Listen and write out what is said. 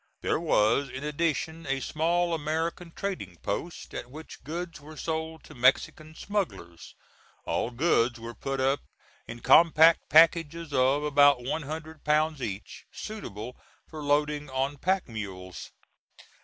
There was, in addition, a small American trading post, at which goods were sold to Mexican smugglers. All goods were put up in compact packages of about one hundred pounds each, suitable for loading on pack mules.